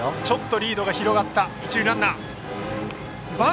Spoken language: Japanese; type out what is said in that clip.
リードが広がった一塁ランナー。